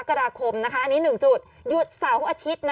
กล้องกว้างอย่างเดียว